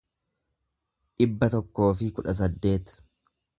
dhibba tokkoo fi kudha saddeet